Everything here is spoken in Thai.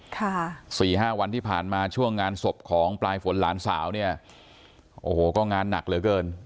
ค่ะสี่ห้าวันที่ผ่านมาช่วงงานศพของปลายฝนหลานสาวเนี่ยโอ้โหก็งานหนักเหลือเกิน